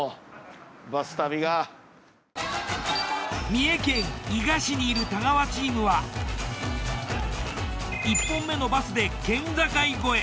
三重県伊賀市にいる太川チームは１本目のバスで県境越え。